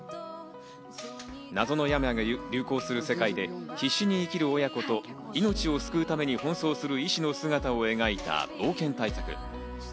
謎の病が流行する世界で必死に生きる親子と命を救うために奔走する医師の姿を描いた冒険大作。